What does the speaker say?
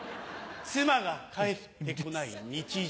妻が帰ってこない日常。